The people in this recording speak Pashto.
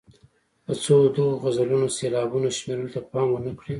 که څوک د دغو غزلونو سېلابونو شمېرلو ته پام ونه کړي.